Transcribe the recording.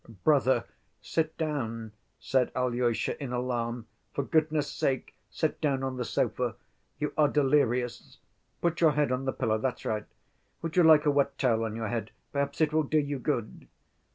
"Brother, sit down," said Alyosha in alarm. "For goodness' sake, sit down on the sofa! You are delirious; put your head on the pillow, that's right. Would you like a wet towel on your head? Perhaps it will do you good."